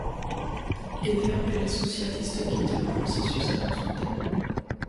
Les Verts puis les socialistes quittent le processus avant son terme.